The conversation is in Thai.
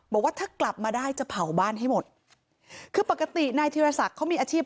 บอกว่าถ้ากลับมาได้จะเผาบ้านให้หมดคือปกตินายธีรศักดิ์เขามีอาชีพ